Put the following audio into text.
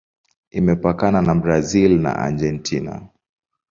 Imepakana na Brazil na Argentina.